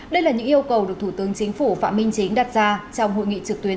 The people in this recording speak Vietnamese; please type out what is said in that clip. đây là những yêu cầu được thủ tướng chính phủ phạm minh chính đặt ra trong hội nghị trực tuyến